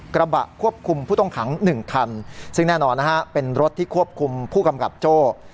กระบะควบคุมผู้ต้องขัง๑คันซึ่งแน่นอนนะฮะเป็นรถที่ควบคุมผู้กำกับโจ้